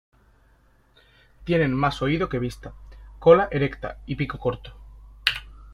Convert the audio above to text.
Tienen más oído que vista, cola erecta y pico corto.